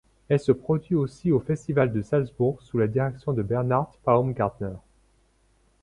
Elle se produit aussi au Festival de Salzbourg sous la direction de Bernhard Paumgartner.